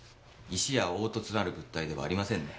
石や凹凸のある物体ではありませんね。